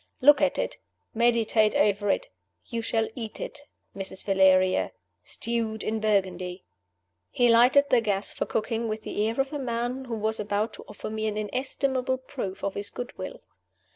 "Look at it; meditate over it. You shall eat it, Mrs. Valeria, stewed in Burgundy!" He lighted the gas for cooking with the air of a man who was about to offer me an inestimable proof of his good will.